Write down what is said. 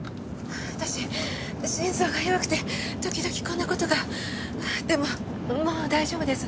私心臓が弱くて時々こんな事が。でももう大丈夫です。